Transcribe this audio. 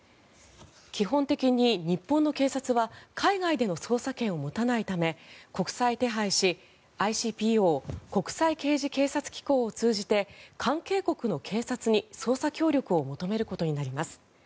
基本的に日本の警察は海外での捜査権を持たないため国際手配し、ＩＣＰＯ・国際刑事警察機構を通じて関係国の警察に捜査協力を求めることになります。